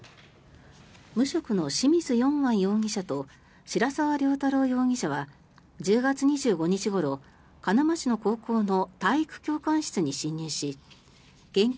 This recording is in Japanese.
無職の清水栄完容疑者と白澤涼太郎容疑者は１０月２５日ごろ鹿沼市の高校の体育教官室に侵入し現金